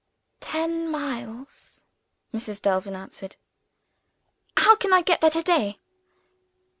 "Ten miles," Mrs. Delvin answered. "How can I get there to day?"